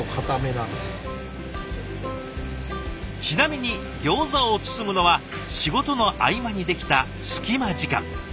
ちなみにギョーザを包むのは仕事の合間にできた隙間時間。